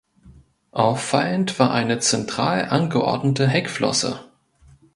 Auffallend war eine zentral angeordnete Heckflosse.